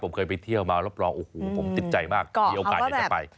ผมเคยไปเที่ยวมาแล้วพร้อมผมติดใจมากมีโอกาสอยากจะไป